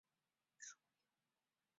该城也是铁路枢纽。